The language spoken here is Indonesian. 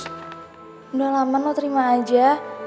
sudah lama lo terima aja